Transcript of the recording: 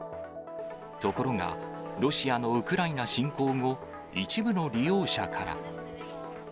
ところが、ロシアのウクライナ侵攻後、一部の利用者から。